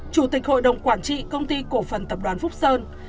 chủ tịch hội đồng quản trị công ty cổ phần tập đoàn phúc sơn